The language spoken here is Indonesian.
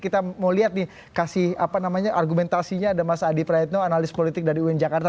kita mau lihat nih kasih argumentasinya ada mas adi praetno analis politik dari uin jakarta